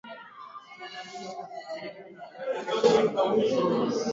kikabila wa ndani na hata hivyo uundaji wa taifa la